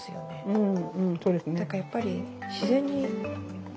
うん。